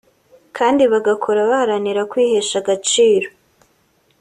kandi bagakora baharanira kwihesha agaciro